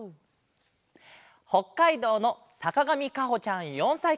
ほっかいどうのさかがみかほちゃん４さいから。